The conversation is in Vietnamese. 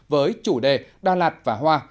với chủ đề đà lạt và hoa